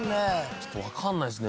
ちょっとわかんないですね。